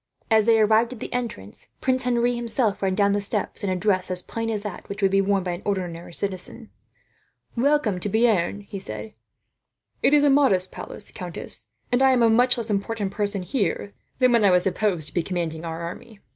As they arrived at the entrance, Prince Henri himself ran down the steps, in a dress as plain as that which would be worn by an ordinary citizen. "Welcome to Bearn," he said. "It is a modest palace, countess; and I am a much less important person, here, than when I was supposed to be commanding our army."